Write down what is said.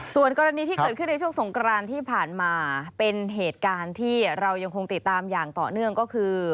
ส่วนกรณีที่เกิดขึ้นในช่วงสงกรานที่ผ่านมาเป็นเหตุการณ์ที่เรายังคงติดตามอย่างต่อเนื่องก็คือ